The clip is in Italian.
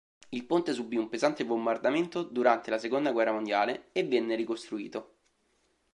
Il ponte subì un pesante bombardamento durante la seconda guerra mondiale e venne ricostruito.